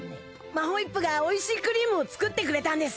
マホイップがおいしいクリームを作ってくれたんです！